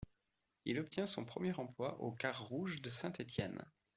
Il obtient son premier emploi aux Cars Rouges de Saint-Étienne.